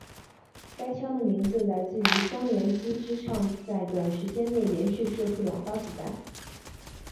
该枪的名字来自于双连击之上在短时间内连续射出两发子弹。